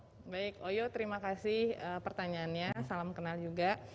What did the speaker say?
baik oyo terima kasih pertanyaannya salam kenal juga